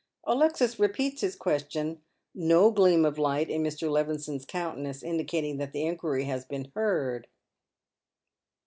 Alexis repeats his question, no gleam of light in Mr. Levison's countenance indicating that the inquuy has been heard.